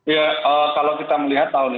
ya kalau kita melihat tahun ini